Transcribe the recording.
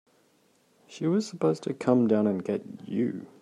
She was supposed to come down and get you.